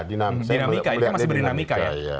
dinamika ini kan masih berdinamika ya